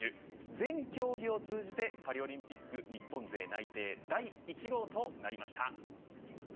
全競技を通じてパリオリンピック日本勢内定第１号となりました。